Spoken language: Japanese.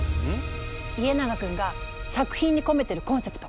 家長くんが作品に込めてるコンセプト。